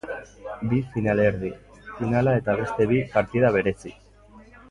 Bi finalerdi, finala eta beste bi partida berezi.